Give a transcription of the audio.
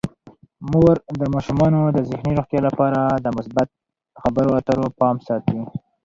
مور د ماشومانو د ذهني روغتیا لپاره د مثبت خبرو اترو پام ساتي.